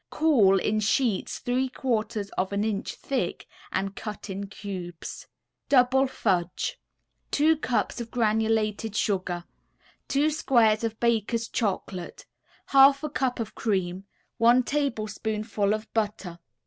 Cool in sheets three quarters of an inch thick, and cut in cubes. DOUBLE FUDGE [Illustration: DOUBLE FUDGE.] 2 cups of granulated sugar, 2 squares of Baker's Chocolate, 1/2 a cup of cream, 1 tablespoonful of butter.